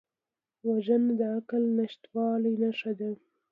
وژنه د عقل نشتوالي نښه ده